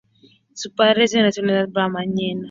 Su padre es de nacionalidad panameña.